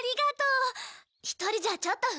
一人じゃちょっと不安だったの。